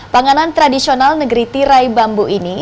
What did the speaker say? panganan tradisional negeri tirai bambu ini